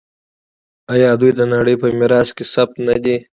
آیا دوی د نړۍ په میراث کې ثبت نه دي؟